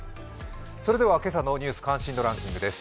それでは「ニュース関心度ランキング」です。